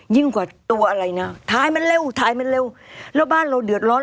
ยิ่งกว่าตัวอะไรนะท้ายมันเร็วถ่ายมันเร็วแล้วบ้านเราเดือดร้อน